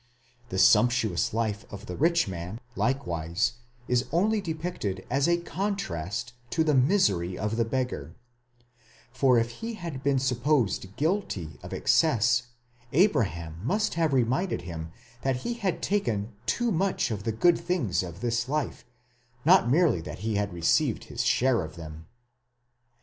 The sumptuous life of the rich man, likewise, is only depicted as a contrast to the misery of the beggar; for if he had been sup posed guilty of excess, Abraham must have reminded him that he had taken too much of the good things of this life, not merely that he had received his share of them.